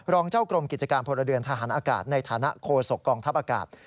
รองเจ้ากรมกิจการพลเรือนทหารอากาศในฐานะโคศกองทัพอากาศ